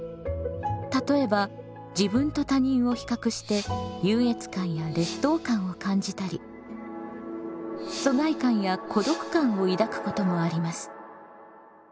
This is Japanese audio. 例えば自分と他人を比較して優越感や劣等感を感じたり疎外感や孤独感を抱くこともあります。